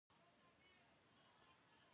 سړي وويل پرنګۍ زړه درنه وړی.